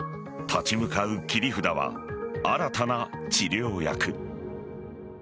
立ち向かう切り札は新たな治療薬。